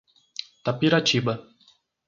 Tapiratiba